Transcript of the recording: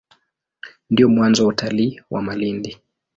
Ndio mwanzo wa utalii wa Malindi.